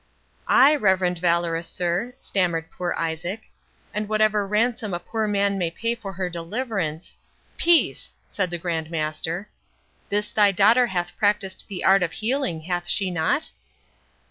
"Ay, reverend valorous sir," stammered poor Isaac, "and whatsoever ransom a poor man may pay for her deliverance— " "Peace!" said the Grand Master. "This thy daughter hath practised the art of healing, hath she not?"